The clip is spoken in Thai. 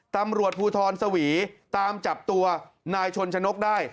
ตำรวจภูทรสวีตามจับตัวนายชนชนกได้